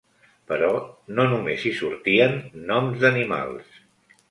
Però no només hi sortien noms d'animals.